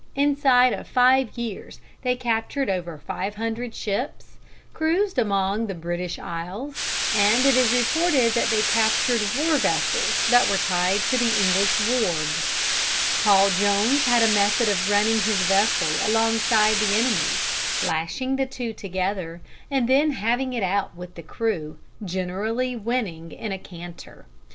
Inside of five years they captured over five hundred ships, cruised among the British isles, and it is reported that they captured war vessels that were tied to the English wharves. [Illustration: GENERAL GATES'S PROPER CAREER.] Paul Jones had a method of running his vessel alongside the enemy's, lashing the two together, and then having it out with the crew, generally winning in a canter.